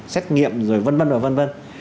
xét nghiệm rồi vân vân và vân vân